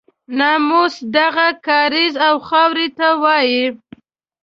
ناموس دغه کاریز او خاورې ته وایي.